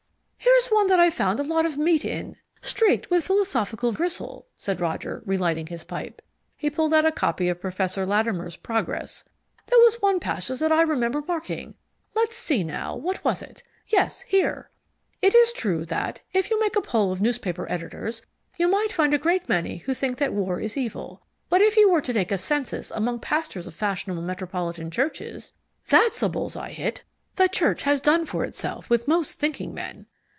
"Here's one that I found a lot of meat in, streaked with philosophical gristle," said Roger, relighting his pipe. He pulled out a copy of Professor Latimer's Progress. "There was one passage that I remember marking let's see now, what was it? Yes, here! "It is true that, if you made a poll of newspaper editors, you might find a great many who think that war is evil. But if you were to take a census among pastors of fashionable metropolitan churches " "That's a bullseye hit! The church has done for itself with most thinking men.